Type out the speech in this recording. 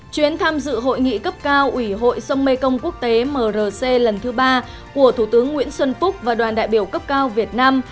chuyến tham dự hội nghị cấp cao ủy hội sông mê công quốc tế mrc lần thứ ba của thủ tướng nguyễn xuân phúc và đoàn đại biểu cấp cao việt nam